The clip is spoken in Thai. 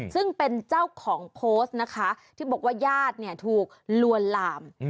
ซึ่งเป็นเจ้าของโคสท์นะคะที่บอกว่ายาดถูกรวนลาม